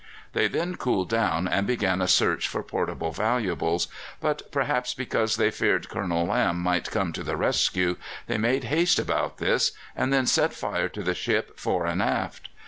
They then cooled down and began a search for portable valuables; but, perhaps because they feared Colonel Lamb might come to the rescue, they made haste about this, and then set fire to the ship fore and aft.